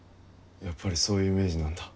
やっぱりそういうイメージなんだ。